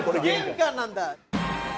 玄関なんだ！